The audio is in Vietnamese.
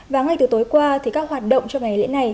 và ngay từ tối qua thì các hoạt động cho ngày lễ này